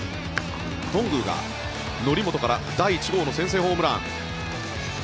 頓宮が則本から第１号の先制ホームラン。